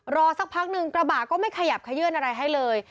สักพักหนึ่งกระบะก็ไม่ขยับขยื่นอะไรให้เลย